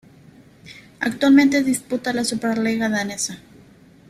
Actualmente disputa la Superliga danesa.